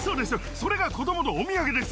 それが子どものお土産です。